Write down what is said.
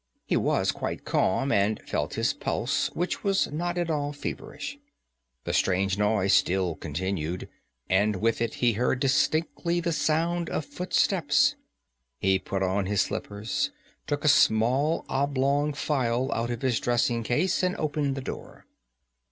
He was quite calm, and felt his pulse, which was not at all feverish. The strange noise still continued, and with it he heard distinctly the sound of footsteps. He put on his slippers, took a small oblong phial out of his dressing case, and opened the door.